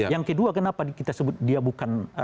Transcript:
yang kedua kenapa kita sebut dia bukan